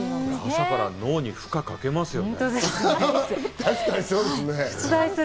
朝から脳に負荷をかけますね。